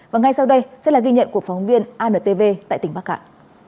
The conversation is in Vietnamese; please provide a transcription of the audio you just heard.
và ngay sau đây sẽ là ghi nhận của phóng viên antv tại tỉnh bắc cạn